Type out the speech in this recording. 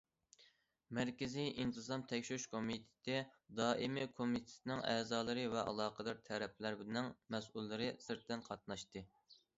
مەركىزىي ئىنتىزام تەكشۈرۈش كومىتېتى دائىمىي كومىتېتىنىڭ ئەزالىرى ۋە ئالاقىدار تەرەپلەرنىڭ مەسئۇللىرى سىرتتىن قاتناشتى.